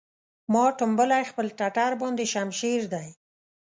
ما ټومبلی خپل ټټر باندې شمشېر دی